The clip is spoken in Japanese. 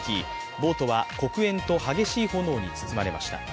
ボートは黒煙と激しい炎に包まれました。